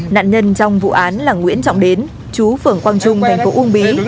nạn nhân trong vụ án là nguyễn trọng đến chú phưởng quang trung thành phố úng bí